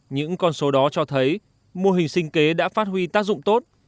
những con số đó cho thấy mô hình sinh kế đã phát huy tác dụng tốt